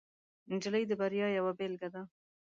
نجلۍ د بریا یوه بیلګه ده.